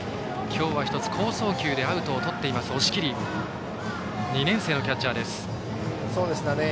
今日は１つ、好送球でアウトをとっている押切２年生のキャッチャーです。